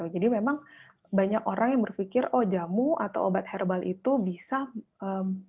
jadi memang banyak orang yang berpikir oh jamu atau obat herbal itu bisa menyembuhkan atau menjaga